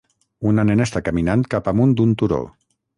Una nena està caminant cap amunt d'un turó.